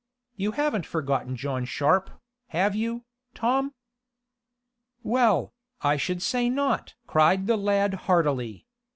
You haven't forgotten John Sharp, have you, Tom?" "Well, I should say not!" cried the lad heartily.